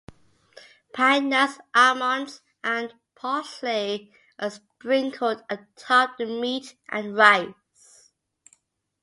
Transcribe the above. Pine nuts, almonds, and parsley are sprinkled atop the meat and rice.